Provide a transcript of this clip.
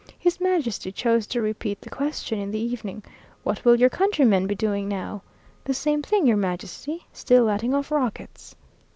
His Majesty chose to repeat the question in the evening. "What will your countrymen be doing now?" "The same thing, your Majesty. Still letting off rockets."